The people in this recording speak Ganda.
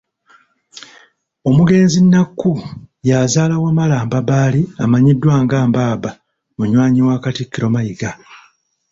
Omugenzi Nakku y'azaala Wamala Mbabaali amanyiddwa nga Mbaba munywanyi wa Katikkiro Mayiga.